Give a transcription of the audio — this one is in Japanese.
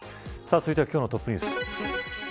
続いては今日のトップニュース。